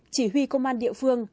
chỉ huy công an địa phương